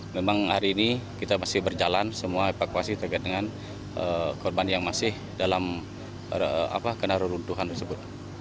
memang hari ini kita masih berjalan semua evakuasi terkait dengan korban yang masih dalam kena reruntuhan tersebut